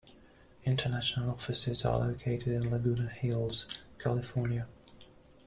International offices are located in Laguna Hills, California.